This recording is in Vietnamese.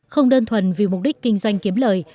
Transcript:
không đơn thuần vì mục đích kinh doanh kiếm lời